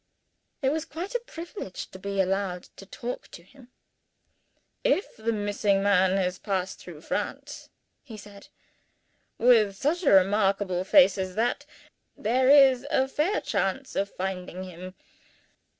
It was quite a privilege to be allowed to talk to him. "If the missing man has passed through France," he said, "with such a remarkable face as that, there is a fair chance of finding him.